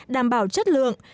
đảm bảo chất lượng